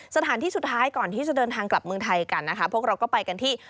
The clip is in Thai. สถานที่สุดท้ายก่อนที่จะเดินทางกลับเมืองไทยกันนะคะพวกเราก็ไปกันที่